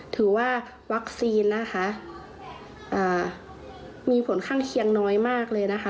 ถือว่าวัคซีนนะคะมีผลข้างเคียงน้อยมากเลยนะคะ